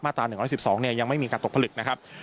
ตรา๑๑๒ยังไม่มีการตกผลึกนะครับ